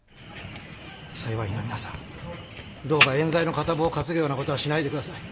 裁判員の皆さんどうか冤罪の片棒を担ぐような事はしないでください。